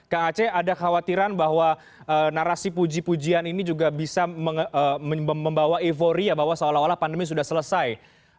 kang aceh ada khawatiran bahwa narasi puji pujian ini juga bisa membawa euforia bahwa seolah olah pandemi sudah selesai